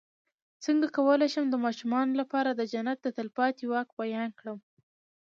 څنګه کولی شم د ماشومانو لپاره د جنت د تل پاتې واک بیان کړم